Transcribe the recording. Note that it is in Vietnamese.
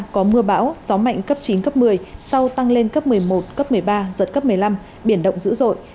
có mưa bão gió mạnh cấp chín cấp một mươi sau tăng lên cấp một mươi một cấp một mươi ba giật cấp một mươi năm biển động dữ dội